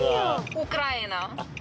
ウクライナ。